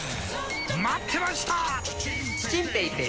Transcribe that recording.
待ってました！